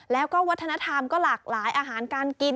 แล้วก็วัฒนธรรมก็หลากหลายอาหารการกิน